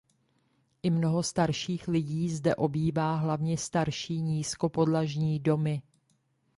I mnoho starších lidí zde obývá hlavně starší nízkopodlažní domy.